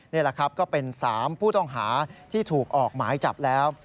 นี่แหละครับก็เป็น๓ผู้ต้องหาที่ถูกออกหมายจับแล้ว